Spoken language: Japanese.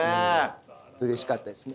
うれしかったですね。